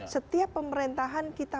setiap pemerintahan kita